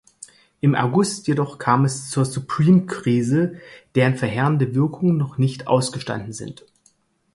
Im August jedoch kam es zur Subprime-Krise, deren verheerende Wirkungen noch nicht ausgestanden sind.